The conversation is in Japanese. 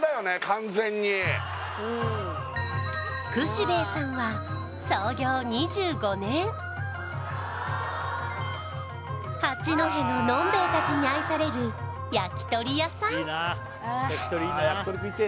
完全に串兵衛さんは創業２５年八戸ののんべえたちに愛される焼き鳥屋さん